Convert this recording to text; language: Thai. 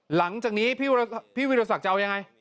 หลังจากนี้พี่วิรสักจะเอายังไง